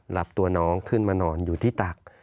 รับตัวน้องขึ้นมานอนอยู่ที่ตัก